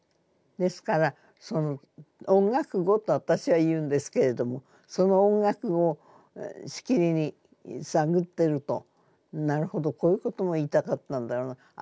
ですから音楽語と私は言うんですけれどもその音楽語をしきりに探っているとなるほどこういうことも言いたかったんだろうな